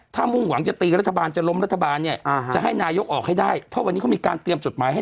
ตรงนี้ท่านจักรจะไม่ค่อยพูดอะไรเท่าไหร่